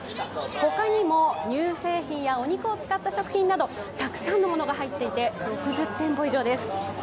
ほかにも乳製品やお肉を使った食品などたくさんのものが入っていて６０店舗以上です。